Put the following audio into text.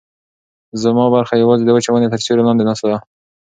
زما برخه یوازې د وچې ونې تر سیوري لاندې ناسته ده.